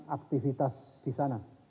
aktivitas di sana